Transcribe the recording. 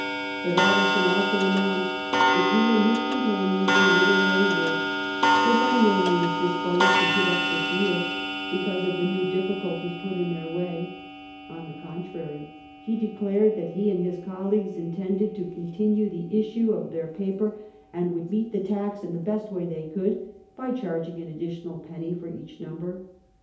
' But Addison 192 THE REIGN OF QUEEN ANNE. oh. xxix also announced that he and his companions in literary work were by no means disposed to give up the field because of the new difficulties put in their way ; on the contrary, he declared that he and his colleagues intended to continue the issue of their paper, and would meet the tax in the best way they could by charging an additional penny for each number.